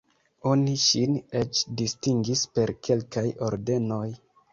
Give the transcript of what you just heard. Oni ŝin eĉ distingis per kelkaj ordenoj.